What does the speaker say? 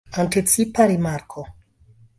Anticipa rimarko.